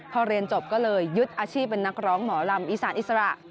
พอเรียนจบก็เลยยึดอาชีพเป็นนักร้องหมอลำอีสานอิสระ